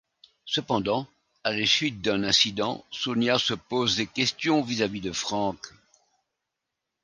Cependant, à la suite d'un incident, Sonia se pose des questions vis-à-vis de Franck.